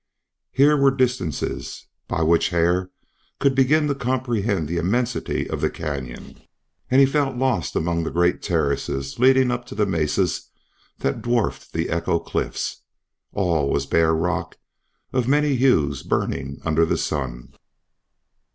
Here were distances by which Hare could begin to comprehend the immensity of the canyon, and he felt lost among the great terraces leading up to mesas that dwarfed the Echo Cliffs. All was bare rock of many hues burning under the sun.